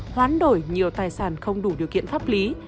hoán đổi nhiều tài sản không đủ điều kiện pháp lý